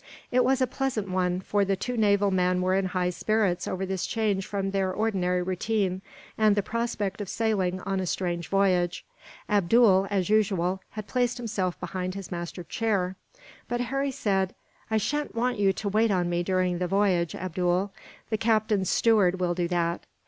It was a pleasant one, for the two naval men were in high spirits over this change from their ordinary routine, and the prospect of sailing on a strange voyage. Abdool, as usual, had placed himself behind his master's chair, but Harry said: "I sha'n't want you to wait on me during the voyage, Abdool; the captain's steward will do that."